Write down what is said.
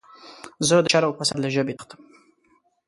زه د شر او فساد له ژبې تښتم.